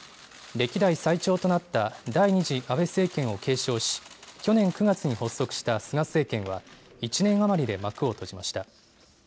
歴代最長となった第２次安倍政権を継承し、去年９月に発足した菅政権は、１年余りで幕を閉じました。